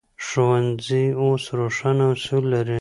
ښوونځي اوس روښانه اصول لري.